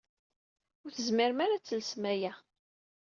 Ur tezmirem ara ad telsem aya.